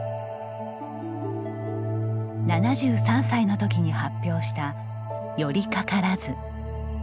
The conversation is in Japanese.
７３歳の時に発表した「倚りかからず」。